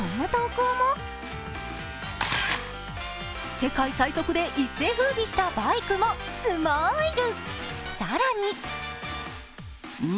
世界最速で一世風靡したバイクもスマイル。